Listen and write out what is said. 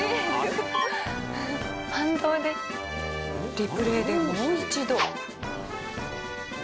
リプレーでもう一度。